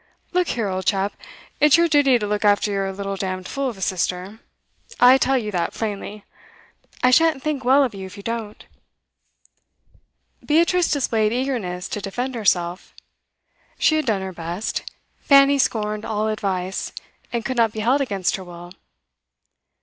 'Look here, old chap, it's your duty to look after your little damned fool of a sister; I tell you that plainly. I shan't think well of you if you don't.' Beatrice displayed eagerness to defend herself. She had done her best; Fanny scorned all advice, and could not be held against her will.